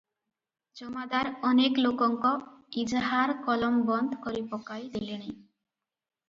ଜମାଦାର ଅନେକ ଲୋକଙ୍କ ଇଜାହାର କଲମ ବନ୍ଦ କରି ପକାଇ ଦେଲେଣି ।